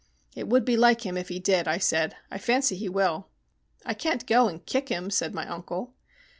"It would be like him if he did," I said. "I fancy he will." "I can't go and kick him," said my uncle.